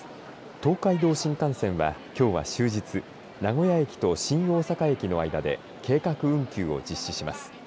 東海道新幹線はきょうは終日名古屋駅と新大阪駅の間で計画運休を実施します。